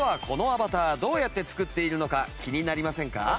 このアバターどうやって作っているのか気になりませんか？